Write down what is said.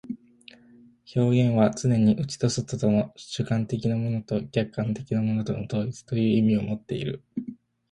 表現はつねに内と外との、主観的なものと客観的なものとの統一という意味をもっている。